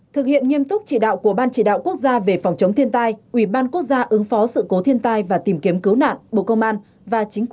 một thực hiện nghiêm túc chỉ đạo của ban chỉ đạo quốc gia về phòng chống thiên tai ủy ban quốc gia ứng phó sự cố thiên tai và tìm kiếm cứu nạn